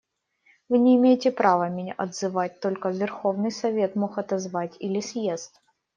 Вы не имеете права меня отзывать, только Верховный Совет мог отозвать, или съезд.